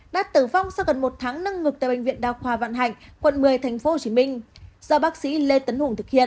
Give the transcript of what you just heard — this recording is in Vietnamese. đã tử vong sau gần một tháng nâng ngực tại bệnh viện đa khoa vạn hạnh quận một mươi tp hcm do bác sĩ lê tấn hùng thực hiện